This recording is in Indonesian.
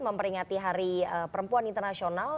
memperingati hari perempuan internasional